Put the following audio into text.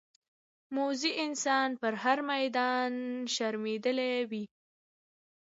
موزي انسان په هر میدان شرمېدلی وي.